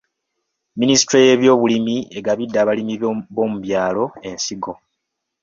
Minisitule y'ebyobulimi egabidde abalimi b'omu byalo ensigo.